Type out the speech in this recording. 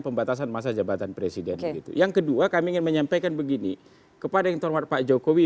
pembatasan masa jabatan presiden yang kedua kami menyampaikan begini kepada entor pak jokowi